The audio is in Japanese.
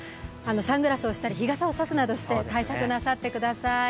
サングラスをしたり日傘を差すなどして対策なさってください。